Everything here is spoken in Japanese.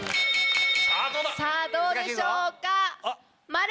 さぁどうでしょうか？